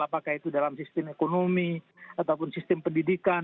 apakah itu dalam sistem ekonomi ataupun sistem pendidikan